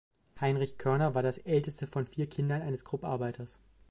Heinrich Körner war das älteste von vier Kindern eines Krupp-Arbeiters.